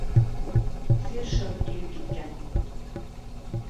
— Фиршел килеп киткән.